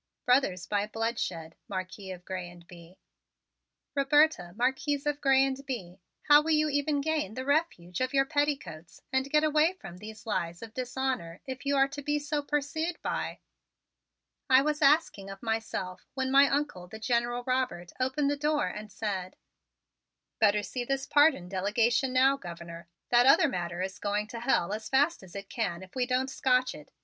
"Brothers by bloodshed, Marquis of Grez and Bye." "Roberta, Marquise of Grez and Bye, how will you even gain the refuge of your petticoats and get away from these lies of dishonor if you are to be so pursued by " I was asking of myself when my Uncle, the General Robert, opened the door and said: "Better see this pardon delegation now, Governor. That other matter is going to go to hell as fast as it can if we don't scotch it.